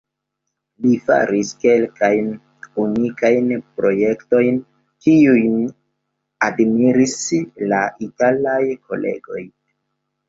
Li faris kelkajn unikajn projektojn, kiujn admiris la italaj kolegoj.